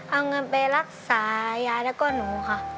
เอาเงินไปรักษายายนะคะ